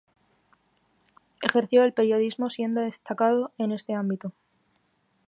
Ejerció el periodismo, siendo destacado en este ámbito.